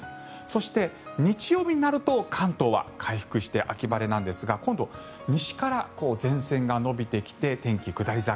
そして、日曜日になると関東は回復して秋晴れなんですが今度は西から前線が延びてきて天気が下り坂